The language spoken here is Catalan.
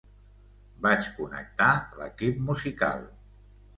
Vaig connectar l'equip musical.